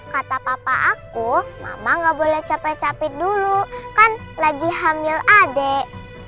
kata papa aku mama gak boleh capek capek dulu kan lagi hamil adik